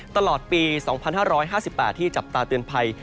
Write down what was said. ตลอดปี๒๕๕๘ที่จับตาเตือนภัย